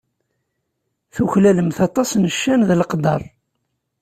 Tuklalemt aṭas n ccan d leqder.